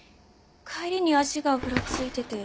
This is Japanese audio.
帰りに足がフラついてて。